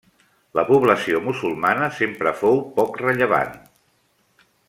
La població musulmana sempre fou poc rellevant.